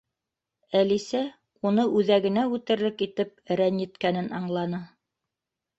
Әлисә уны үҙәгенә үтерлек итеп рәнйеткәнен аңланы.